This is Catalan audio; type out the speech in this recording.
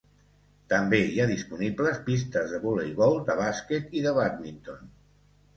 També hi ha disponibles pistes de voleibol, de bàsquet i de bàdminton.